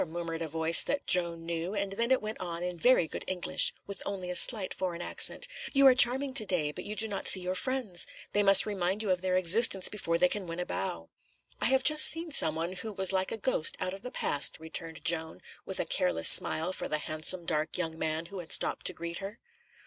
murmured a voice that Joan knew, and then it went on in very good English, with only a slight foreign accent: "You are charming to day, but you do not see your friends. They must remind you of their existence before they can win a bow." "I have just seen some one who was like a ghost out of the past," returned Joan, with a careless smile for the handsome, dark young man who had stopped to greet her.